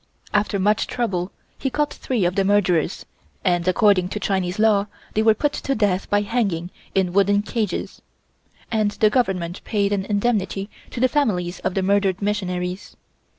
After much trouble he caught three of the murderers and, according to the Chinese law, they were put to death by hanging in wooden cages, and the Government paid an indemnity to the families of the murdered missionaries.